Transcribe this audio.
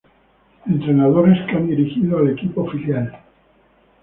Entrenadores que han dirigido al equipo filial.